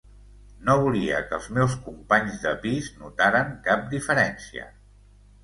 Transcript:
No volia que els meus companys de pis notaren cap diferència.